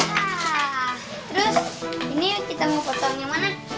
wah terus ini kita mau potong yang mana